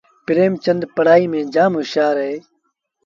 پريمچندپڙهآئيٚ ميݩ جآم هوشآر اهي